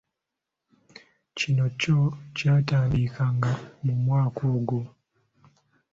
Kino kyo kyatandika nga mu mwaka ogwo.